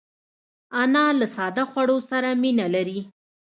انا له ساده خوړو سره مینه لري